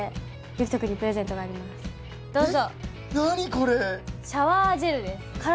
どうぞ！